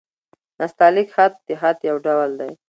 نستعلیق خط؛ د خط يو ډول دﺉ.